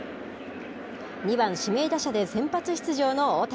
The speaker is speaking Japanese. ２番指名打者で先発出場の大谷。